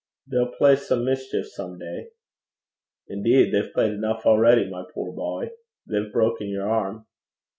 They'll play some mischeef some day.' 'Indeed, they've played enough already, my poor boy. They've broken your arm.'